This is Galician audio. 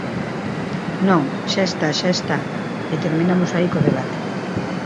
Non, xa está, xa está, e terminamos aí co debate.